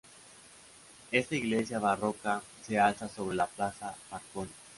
Esta iglesia barroca se alza sobre la plaza Marconi.